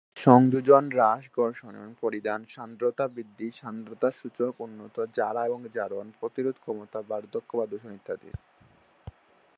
সংযোজন হ্রাস ঘর্ষণ এবং পরিধান, সান্দ্রতা বৃদ্ধি, সান্দ্রতা সূচক উন্নত, জারা এবং জারণ প্রতিরোধ ক্ষমতা, বার্ধক্য বা দূষণ ইত্যাদি।